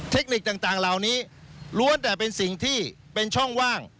เทคนิคต่างเหล่านี้ล้วนแต่เป็นสิ่งที่เป็นช่องว่าง